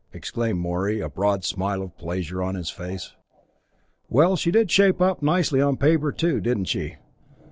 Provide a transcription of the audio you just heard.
exclaimed Morey, a broad smile of pleasure on his face. "Well, she did shape up nicely on paper, too, didn't she.